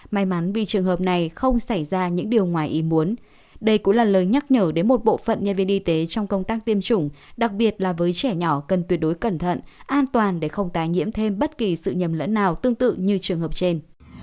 may mắn vì trường hợp này không xảy ra những điều ngoài ý muốn đây cũng là lời nhắc nhở đến một bộ phận nhân viên y tế trong công tác tiêm chủng đặc biệt là với trẻ nhỏ cần tuyệt đối cẩn thận an toàn để không tái nhiễm thêm bất kỳ sự nhầm lẫn nào tương tự như trường hợp trên